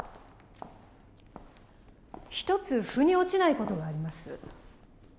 一つ腑に落ちない事があります。